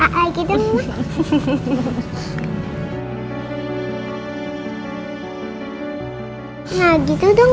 pakai ini dong telurnya dong